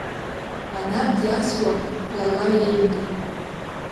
Анард иасуа блала еимдо.